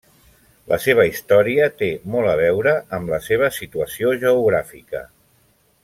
La seva història té molt a veure amb la seva situació geogràfica.